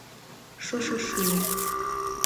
Шошо шуо.